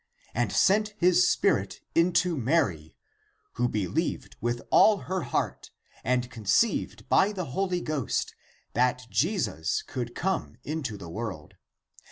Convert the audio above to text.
13. And sent his Spirit into Mary i" 14. Who believed with all her heart and conceived by the Holy Ghost, that Jesus could come into the world,20 15.